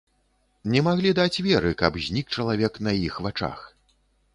Не маглі даць веры, каб знік чалавек на іх вачах.